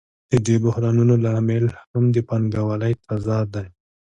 د دې بحرانونو لامل هم د پانګوالۍ تضاد دی